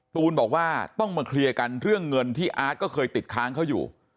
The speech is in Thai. ตูนบอกว่าต้องมาเคลียร์กันเรื่องเงินที่อาร์ตก็เคยติดค้างเขาอยู่